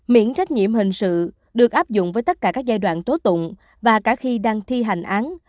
miễn trách nhiệm hình sự được áp dụng với tất cả các giai đoạn tố tụng và cả khi đang thi hành án